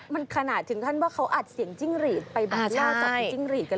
มันขนาดถึงท่านว่าเขาอัดเสียงจิ้งหรีดไปบัตรเล่าจากจิ้งหรีดกันเลยนะ